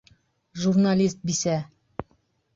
Журналист бисә!